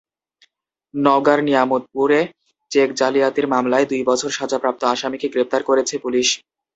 নওগাঁর নিয়ামতপুরে চেক জালিয়াতির মামলায় দুই বছরের সাজাপ্রাপ্ত আসামিকে গ্রেপ্তার করেছে পুলিশ।